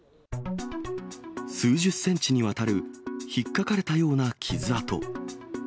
数十センチにわたる、ひっかかれたような傷跡。